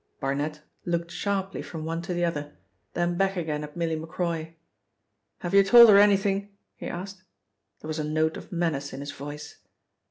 Barnet looked sharply from one to the other, then back again at Milly Macroy. "Have you told her anything?" he asked. There was a note of menace in his voice.